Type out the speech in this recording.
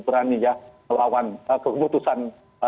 berani ya melawan keputusan